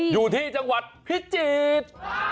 อยู่ที่จังหวัดพิจิตร